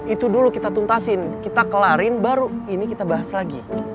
itu dulu kita tuntasin kita kelarin baru ini kita bahas lagi